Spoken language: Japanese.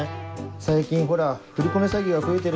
最近ほら振り込め詐欺が増えてるじゃない。